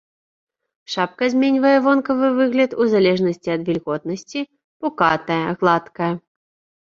Шапка зменьвае вонкавы выгляд у залежнасці ад вільготнасці, пукатая, гладкая.